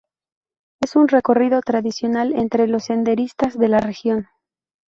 Es un recorrido tradicional entre los senderistas de la región.